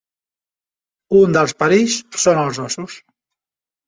Un dels perills són els ossos.